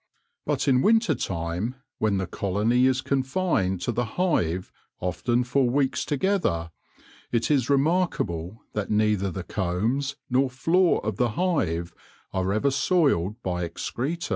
But in winter time, when the colony is confined to the hive often for weeks together, it is remarkable that neither the combs nor floor of the hive are ever soiled by excreta.